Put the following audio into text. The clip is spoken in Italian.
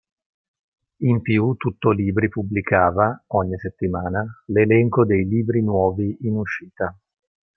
In più "Tuttolibri" pubblicava, ogni settimana, l'elenco dei libri nuovi in uscita.